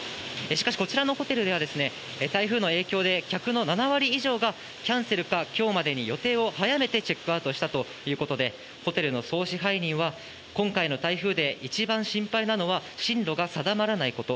しかし、こちらのホテルでは、台風の影響で客の７割以上が、キャンセルか、きょうまでに予定を早めてチェックアウトしたということで、ホテルの総支配人は、今回の台風で、一番心配なのは進路が定まらないこと。